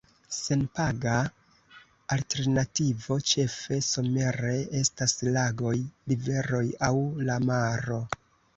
Senpaga alternativo, ĉefe somere estas lagoj, riveroj aŭ la maro.